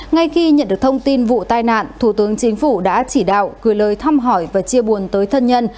ngay khi nhận được thông tin vụ tai nạn thủ tướng chính phủ đã chỉ đạo gửi lời thăm hỏi và chia buồn tới thân nhân